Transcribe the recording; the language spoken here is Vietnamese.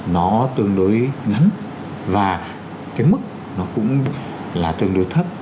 nó tương đối ngắn và cái mức nó cũng là tương đối thấp